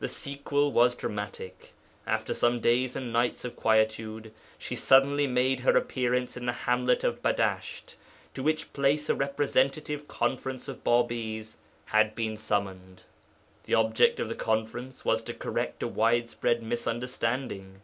The sequel was dramatic. After some days and nights of quietude, she suddenly made her appearance in the hamlet of Badasht, to which place a representative conference of Bābīs had been summoned. The object of the conference was to correct a widespread misunderstanding.